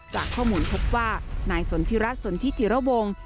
จากข้อมูลพบว่านายสนทิรัฐสนทิจิระวง